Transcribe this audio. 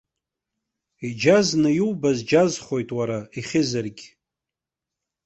Иџьазны иубаз џьазхоит, уара, ихьызаргь.